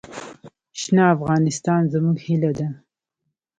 شنه افغانستان زموږ هیله ده.